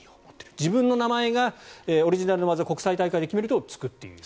自分の名前がオリジナルの技国際大会で決めるとつくという。